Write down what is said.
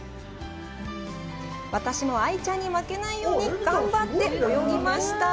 私も愛ちゃんに負けないように頑張って泳ぎました